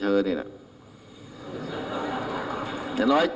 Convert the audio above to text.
นายยกรัฐมนตรีพบกับทัพนักกีฬาที่กลับมาจากโอลิมปิก๒๐๑๖